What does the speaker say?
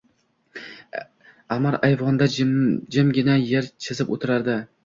Аmir ayvonda jimgina yer chizib oʼtirar edi.